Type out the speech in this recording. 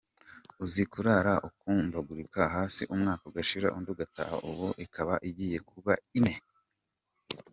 Uzi kurara ukumbagurika hasi umwaka ugashira undi ugataha ubu ikaba igiye kuba ine?”.